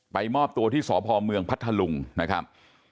มอบตัวที่สพเมืองพัทธลุงนะครับ